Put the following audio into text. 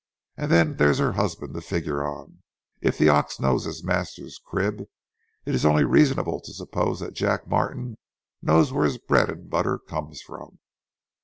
And then there's her husband to figure on. If the ox knows his master's crib, it's only reasonable to suppose that Jack Martin knows where his bread and butter comes from.